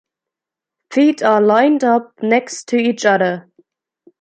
‘’Feet are lined up next to each other.’’